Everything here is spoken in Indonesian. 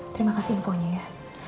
terima kasih infonya ya